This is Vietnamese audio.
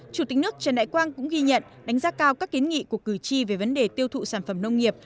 chủ tịch nước trần đại quang cũng ghi nhận đánh giá cao các kiến nghị của cử tri về vấn đề tiêu thụ sản phẩm nông nghiệp